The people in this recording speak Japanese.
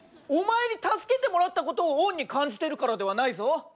お前に助けてもらったことを恩に感じてるからではないぞ。